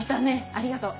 ありがとう。